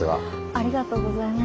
ありがとうございます。